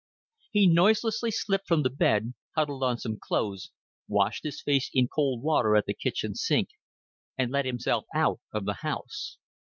He noiselessly slipped from the bed, huddled on some clothes, washed his face in cold water at the kitchen sink, and let himself out of the house.